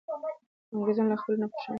انګریزان له افغانستان نه په شا شول.